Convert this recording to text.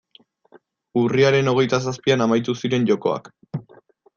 Urriaren hogeita zazpian amaitu ziren jokoak.